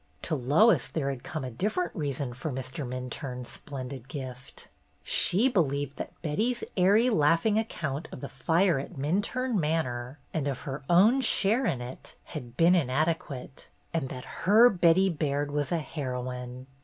To Lois there had come a different reason for Mr. Minturne's splendid gift. She be lieved that Betty's airy, laughing account of the fire at Minturne Manor, and of her own share in it, had been inadequate, and that her Betty Baird was a heroine.